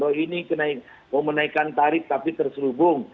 oh ini kena memenaikan tarif tapi terserubung